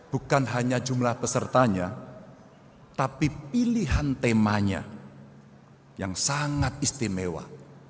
bukan hanya jumlah pesertanya tapi pilihan temanya yang sangat istimewa